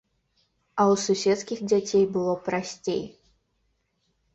А ў суседскіх дзяцей было прасцей.